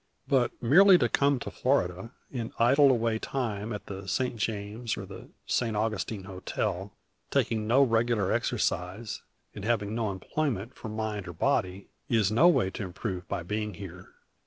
But merely to come to Florida, and idle away time at the St. James or the St. Augustine Hotel, taking no regular exercise, and having no employment for mind or body, is no way to improve by being here.